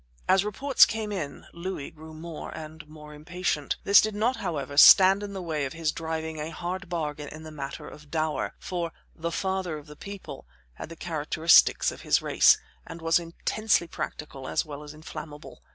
As reports came in Louis grew more and more impatient. This did not, however, stand in the way of his driving a hard bargain in the matter of dower, for "The Father of the People" had the characteristics of his race, and was intensely practical as well as inflammable.